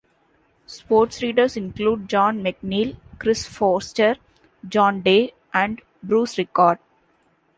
Sports readers include John McNeil, Chris Forster, John Day and Bruce Rickard.